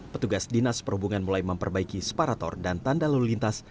petugas dinas perhubungan mulai memperbaiki separator dan tanda lalu lintas